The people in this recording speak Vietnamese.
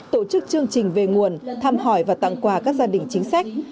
tổ chức chương trình về nguồn thăm hỏi và tặng quà các gia đình chính sách